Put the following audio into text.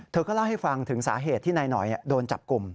เธอก็เล่าให้ฟังถึงสาเหตุที่นายหน่อยโดนจับกลุ่ม